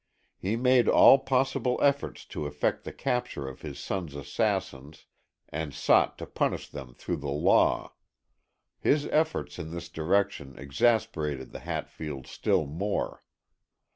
He made all possible efforts to effect the capture of his sons' assassins and sought to punish them through the law. His efforts in this direction exasperated the Hatfields still more.